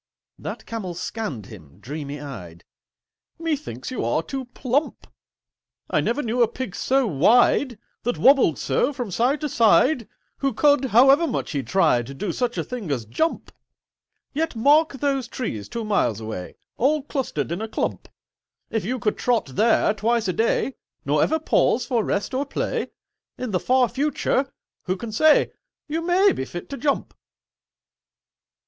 That Camel scanned him, dreamy eyed. "Methinks you are too plump. I never knew a Pig so wide— That wobbled so from side to side— Who could, however much he tried, Do such a thing as jump! "Yet mark those trees, two miles away, All clustered in a clump: If you could trot there twice a day, Nor ever pause for rest or play, In the far future—Who can say— You may be fit to jump."